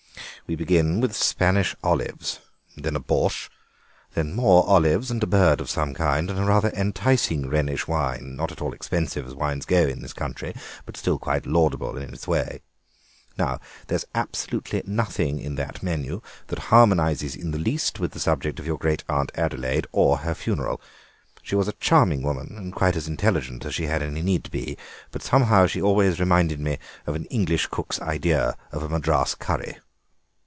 We begin with Spanish olives, then a borshch, then more olives and a bird of some kind, and a rather enticing Rhenish wine, not at all expensive as wines go in this country, but still quite laudable in its way. Now there's absolutely nothing in that menu that harmonises in the least with the subject of your great aunt Adelaide or her funeral. She was a charming woman, and quite as intelligent as she had any need to be, but somehow she always reminded me of an English cook's idea of a Madras curry."